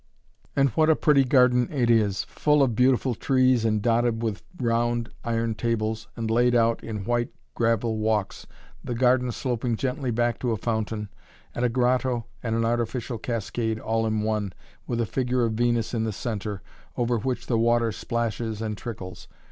And what a pretty garden it is! full of beautiful trees and dotted with round iron tables, and laid out in white gravel walks, the garden sloping gently back to a fountain, and a grotto and an artificial cascade all in one, with a figure of Venus in the center, over which the water splashes and trickles.